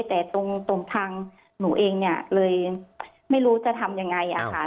แต่ตรงทางหนูเองเนี่ยเลยไม่รู้จะทำยังไง